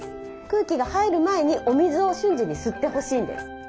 空気が入る前にお水を瞬時に吸ってほしいんです。